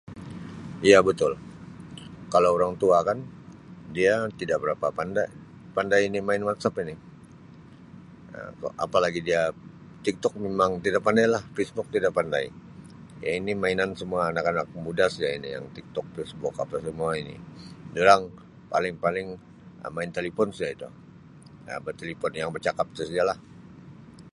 Ya betul kalau orang tua kan dia tidak berapa pandai pandai ni main Whatsapp ini Um apa lagi dia Tiktok memang tidak pandai lah Facebook tidak pandai yang ini mainan semua anak anak muda saja ini yang Tiktok Facebook apa semua ini dorang paling-paling Um main talipun saja itu betalipun yang becakap tu saja lah.